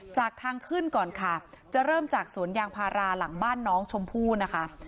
จากทางขึ้นก่อนค่ะจะเริ่มจากสวนยางพาราหลังบ้านน้องชมพู่นะคะ